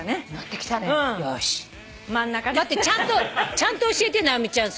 ちゃんと教えて直美ちゃん。